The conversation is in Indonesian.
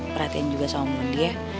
perhatiin juga sama om mondi ya